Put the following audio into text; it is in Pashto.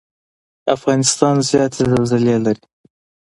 افغانستان زیاتې زلزلې لري.